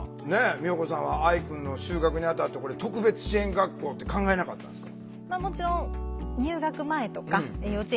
美穂子さんは愛くんの就学にあたって特別支援学校って考えなかったんですか？